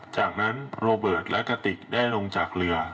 จากนั้นโรเบิร์ตและกติกได้ลงจากเรือ